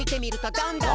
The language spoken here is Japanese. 「どんどんと」